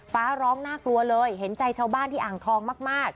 ฟ้าร้องน่ากลัวเลยเห็นใจชาวบ้านที่อ่างทองมาก